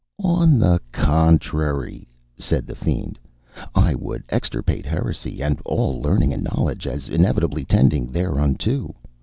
"On the contrary," said the fiend, "I would extirpate heresy, and all learning and knowledge as inevitably tending thereunto.